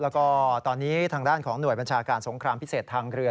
แล้วก็ตอนนี้ทางด้านของหน่วยบัญชาการสงครามพิเศษทางเรือ